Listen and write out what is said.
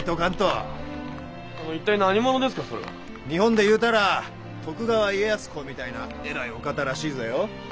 日本でいうたら徳川家康公みたいな偉いお方らしいぜよ。